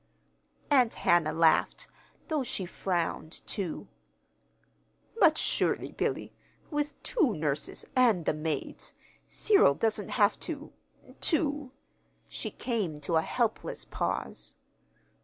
Aunt Hannah laughed, though she frowned, too. "But, surely, Billy, with two nurses and the maids, Cyril doesn't have to to " She came to a helpless pause.